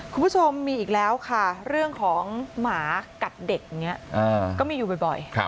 คุณผู้ชมมีอีกแล้วค่ะเรื่องของหมากัดเด็กอย่างนี้ก็มีอยู่บ่อย